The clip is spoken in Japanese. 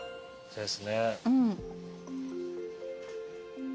そうですね。